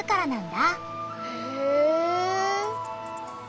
へえ。